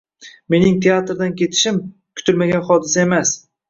Mening teatrdan ketishim, kutilmagan hodisa emas